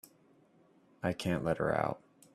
I can't let her out.